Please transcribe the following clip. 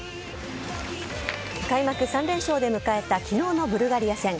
開幕３連勝で迎えた昨日のブルガリア戦。